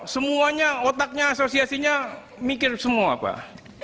semuanya otaknya asosiasinya mikir semua pak